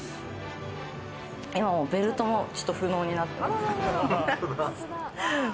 ベルトもちょっと不能になってます。